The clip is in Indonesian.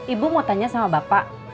ibu mau tanya sama bapak